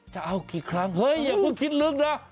จะเอากี่ครั้งเฮ้ยอย่าเพิ่งคิดลึกนะ